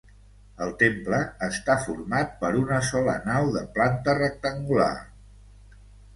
El temple està format per una sola nau de planta rectangular.